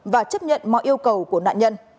và chấp nhận mọi yêu cầu của nạn nhân